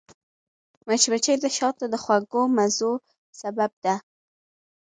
مچمچۍ د شاتو د خوږو مزو سبب ده